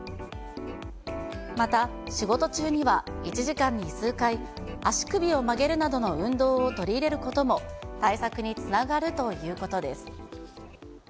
また仕事中には１時間に数回、足首を曲げるなどの運動を取り入れることも、対策につながるということです。